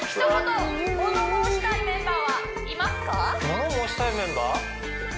物申したいメンバー？